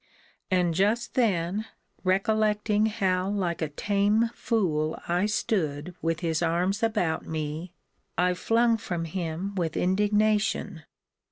And just then recollecting how like a tame fool I stood with his arms about me, I flung from him with indignation.